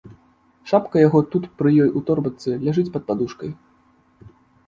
Шапка яго тут пры ёй у торбачцы ляжыць пад падушкай.